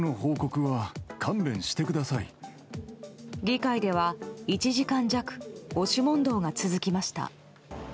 議会では１時間弱押し問答が続きました。